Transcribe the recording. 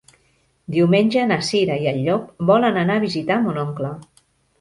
Diumenge na Cira i en Llop volen anar a visitar mon oncle.